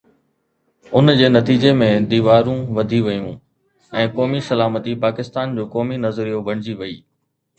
ان جي نتيجي ۾ ديوارون وڌي ويون ۽ قومي سلامتي پاڪستان جو قومي نظريو بڻجي وئي.